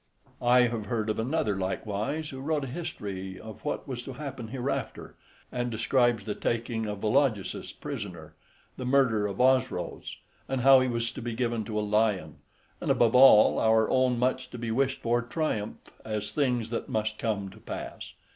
I have heard of another likewise, who wrote a history of what was to happen hereafter, and describes the taking of Vologesus prisoner, the murder of Osroes, and how he was to be given to a lion; and above all, our own much to be wished for triumph, as things that must come to pass.